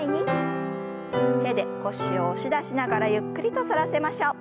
手で腰を押し出しながらゆっくりと反らせましょう。